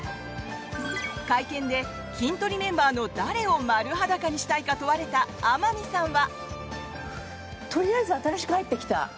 会見でキントリメンバーの誰を丸裸にしたいか問われた天海さんは？